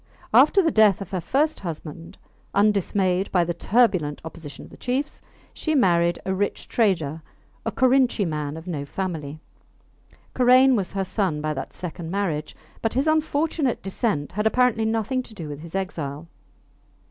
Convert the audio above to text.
After the death of her first husband, undismayed by the turbulent opposition of the chiefs, she married a rich trader, a Korinchi man of no family. Karain was her son by that second marriage, but his unfortunate descent had apparently nothing to do with his exile.